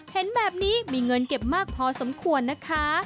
เห็นแบบนี้มีเงินเก็บมากพอสมควรนะคะ